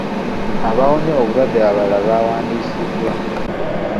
Abaawonye obulwadde abalala baawandiisiddwa.